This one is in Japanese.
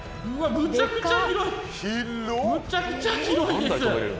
むちゃくちゃ広いです。